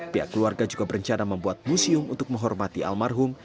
pihak keluarga juga berencana membuat museum untuk menghormati almarhum